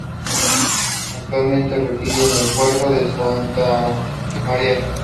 Actualmente reside en El Puerto de Santa María.